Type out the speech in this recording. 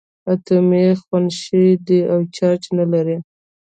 اتومونه خنثي دي او چارج نه لري.